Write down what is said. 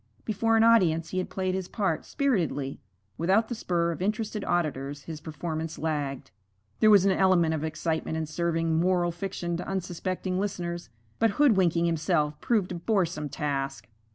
Before an audience, he had played his part spiritedly; without the spur of interested auditors his performance lagged. There was an element of excitement in serving moral fiction to unsuspecting listeners, but hoodwinking himself proved a boresome task.